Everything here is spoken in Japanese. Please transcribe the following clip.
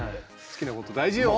好きなこと大事よ。